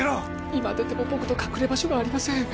今出ても僕の隠れ場所がありません